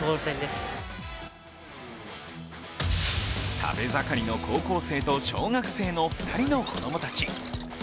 食べ盛りの高校生と小学生の２人の子供たち。